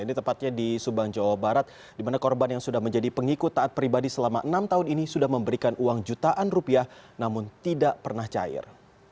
ini tepatnya di subang jawa barat di mana korban yang sudah menjadi pengikut taat pribadi selama enam tahun ini sudah memberikan uang jutaan rupiah namun tidak pernah cair